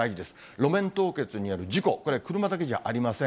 路面凍結による事故、これは車だけじゃありません。